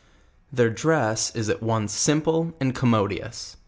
Their dress is at once simple and commodious.